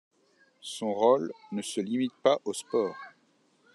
Son rôle ne se limite pas au sport.